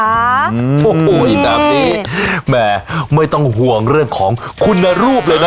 อืมโอ้โหอีก๓ปีแหมไม่ต้องห่วงเรื่องของคุณนรูปเลยนะครับ